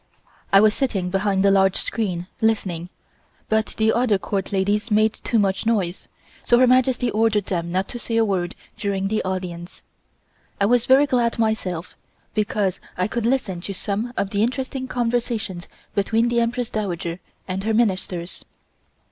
I was sitting behind the large screen, listening, but the other Court ladies made too much noise, so Her Majesty ordered them not to say a word during audience. I was very glad myself, because I could listen to some of the interesting conversations between the Empress Dowager and her Ministers.